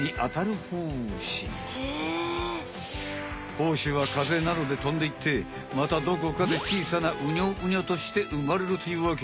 胞子はかぜなどでとんでいってまたどこかでちいさなウニョウニョとしてうまれるというわけ。